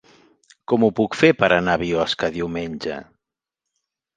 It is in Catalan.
Com ho puc fer per anar a Biosca diumenge?